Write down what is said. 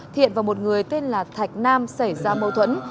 thiện và một người tên là thạch nam xảy ra mâu thuẫn